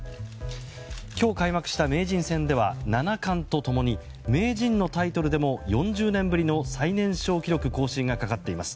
今日開幕した名人戦では七冠と共に名人のタイトルでも４０年ぶりの最年少記録更新がかかっています。